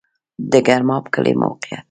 د ګرماب کلی موقعیت